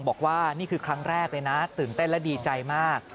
บอกว่านี่คือครั้งแรกเลยนะตื่นเต้นและดีใจมาก